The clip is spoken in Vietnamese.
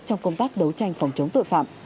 trong công tác đấu tranh phòng chống tội phạm